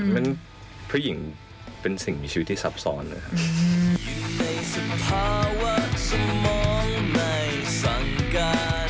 เพราะผู้หญิงเป็นสิ่งที่มีชีวิตที่ซับซ้อนเลยค่ะ